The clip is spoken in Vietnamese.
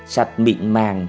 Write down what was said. sạch mịn màng